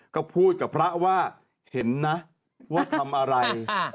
ก็พูดกับพระว่าเห็นนะว่าทำอะไร